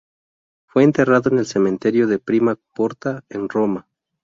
Fue enterrado en el Cementerio de Prima Porta, en Roma.